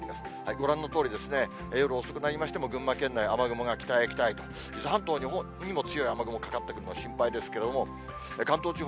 ご覧のとおりですね、夜遅くなりましても、群馬県内、雨雲が北へ北へと、伊豆半島にも強い雨雲かかってるの、心配ですけれども、関東地方